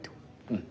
うん。